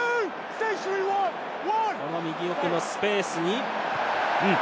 この右奥のスペースに。